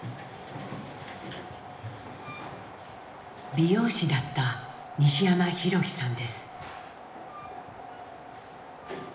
美容師だった西山弘樹さんです。